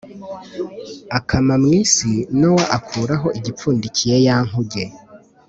Akama mu isi nowa akuraho igipfundikiye ya nkuge